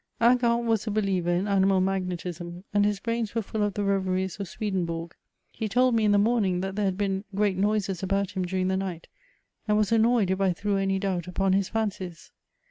Hingant was a believer in animal magnetism, and his brains were fiill of the reveries of Swedenborg. He told me in the momiDg that there had been great noises about him duriz^ the night, and was annoyed if I threw any donbt upon bss fimcies.